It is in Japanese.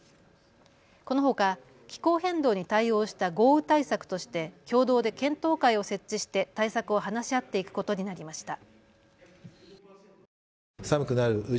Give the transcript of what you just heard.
このほか気候変動に対応した豪雨対策として共同で検討会を設置して対策を話し合っていくことになりました。